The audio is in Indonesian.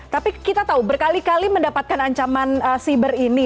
tapi kita tahu berkali kali mendapatkan ancaman siber ini